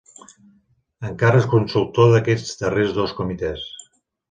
Encara és consultor d'aquests darrers dos comitès.